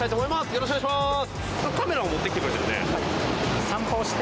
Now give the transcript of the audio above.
よろしくお願いします！